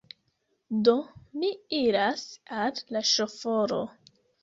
Do, mi iras al la ŝoforo.